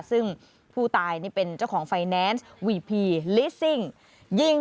ซึ่งผู้ตายนี่เป็นเจ้าของไฟแนนซ์วีพีลิสซิ่งยิง